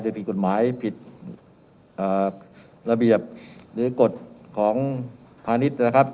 ผิดกฎหมายผิดระเบียบหรือกฎของพาณิชย์นะครับ